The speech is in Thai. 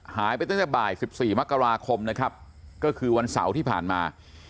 หายไปตั้งแต่บ่าย๑๔มกราคมนะครับก็คือวันเสาร์ที่ผ่านมา